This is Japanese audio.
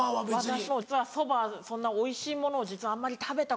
私実はそばそんなおいしいものを実はあんまり食べたことがなくて。